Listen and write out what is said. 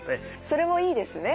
それもいいですね。